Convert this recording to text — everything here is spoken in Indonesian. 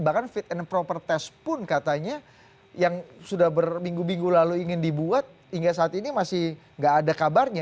bahkan fit and proper test pun katanya yang sudah berminggu minggu lalu ingin dibuat hingga saat ini masih gak ada kabarnya